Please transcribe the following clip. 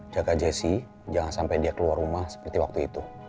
jaga jessie jangan sampai dia keluar rumah seperti waktu itu